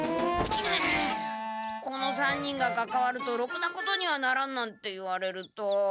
「この３人がかかわるとろくなことにはならん」なんて言われると。